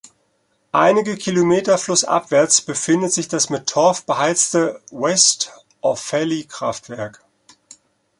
Einige Kilometer flussabwärts befindet sich das mit Torf beheizte West-Offaly-Kraftwerk.